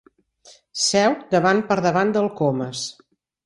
Seu davant per davant del Comas.